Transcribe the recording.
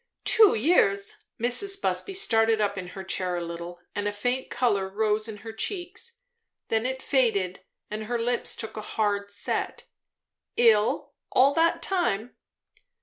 "Two years!" Mrs. Busby started up in her chair a little, and a faint colour rose in her cheeks; then it faded and her lips took a hard set. "Ill all that time?"